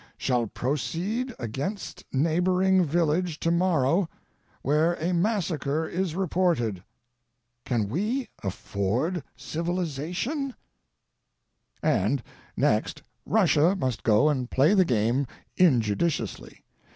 Shall proceed against neighboring village to morrow, where a massacre is reported.' Can we afford Civilization ?" TO THE PERSON SITTING IN DAEKNESS. 169 And, next, Russia must go and play the game injudiciously.